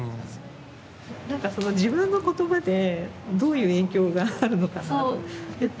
自分の言葉で、どういう影響があるのかなって。